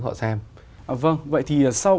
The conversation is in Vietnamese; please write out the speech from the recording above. họ xem vâng vậy thì sau